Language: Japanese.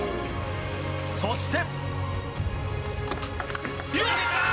そして。